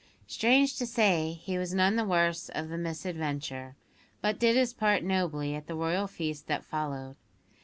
Strange to say, he was none the worse of the misadventure, but did his part nobly at the Royal feast that followed.